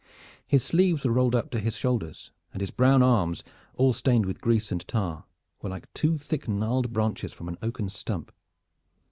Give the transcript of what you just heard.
His sleeves were rolled up to his shoulders, and his brown arms, all stained with grease and tar, were like two thick gnarled branches from an oaken stump.